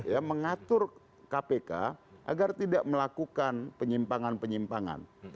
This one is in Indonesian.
ya mengatur kpk agar tidak melakukan penyimpangan penyimpangan